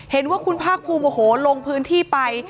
เห็นว่าคุณภาคภูมิโอ้โหลงพื้นที่ไป